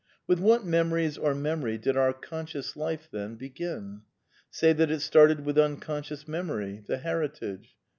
With what memories or memory did our conscious life, then, begin ? Say that it started with unconscious memory (the "heritage").